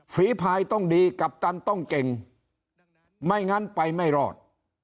ฝีภายต้องดีกัปตันต้องเก่งไม่งั้นไปไม่รอด